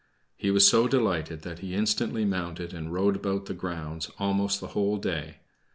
He was so delighted that he instantly mounted and rode about the grounds almost the whole day.